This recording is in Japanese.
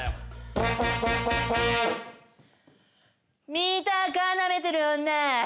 見たか舐めてる女。